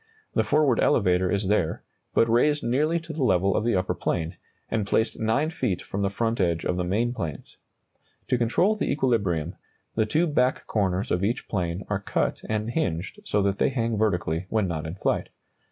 The forward elevator is there, but raised nearly to the level of the upper plane, and placed 9 feet from the front edge of the main planes. To control the equilibrium, the two back corners of each plane are cut and hinged so that they hang vertically when not in flight.